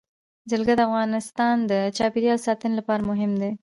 جلګه د افغانستان د چاپیریال ساتنې لپاره مهم دي.